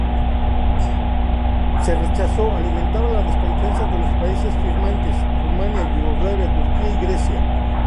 Su rechazo alimentaba la desconfianza de los países firmantes, Rumanía, Yugoslavia, Turquía y Grecia.